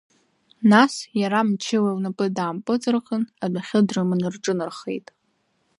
Нас, иара, мчыла лнапы даампыҵырхын, адәахьы дрыманы рҿынархеит.